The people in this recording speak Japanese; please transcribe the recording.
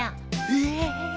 ええ。